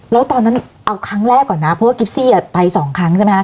แล้วตอนนั้นเอาครั้งแรกก่อนนะเพราะว่ากิฟซี่ไปสองครั้งใช่ไหมคะ